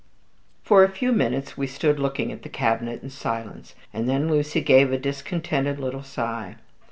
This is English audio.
For a few minutes we stood looking at the cabinet in silence, and then Lucy gave a discontented little sigh.